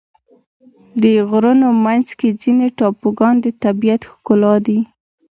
د غرونو منځ کې ځینې ټاپوګان د طبیعت ښکلا دي.